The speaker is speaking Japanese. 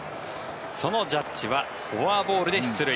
そのジャッジはフォアボールで出塁。